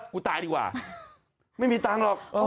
กูตายดีกว่าไม่มีตังค์หรอก